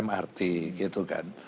mrt gitu kan